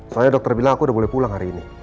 saya dokter bilang aku udah boleh pulang hari ini